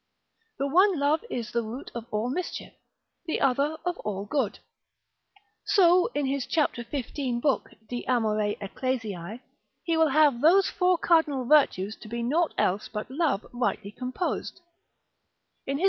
The one love is the root of all mischief, the other of all good. So, in his 15. cap. lib. de amor. Ecclesiae, he will have those four cardinal virtues to be nought else but love rightly composed; in his 15.